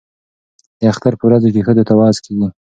د اختر په ورځو کې ښځو ته وعظ کېده.